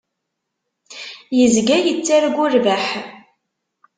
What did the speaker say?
Yezga yettargu rrbeḥ.